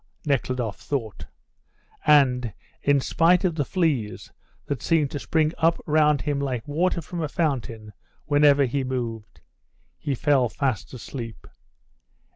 Nekhludoff thought, and in spite of the fleas, that seemed to spring up round him like water from a fountain whenever he moved, he fell fast asleep.